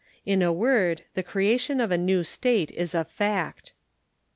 In a word, the creation of a new state is a fact.